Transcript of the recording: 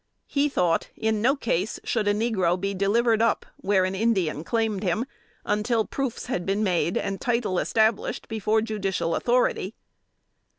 He thought, in no case, should a negro be delivered up, where the Indians claimed him, until proofs had been made and title established before judicial authority.